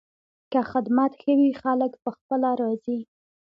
که خدمت ښه وي، خلک پخپله راځي.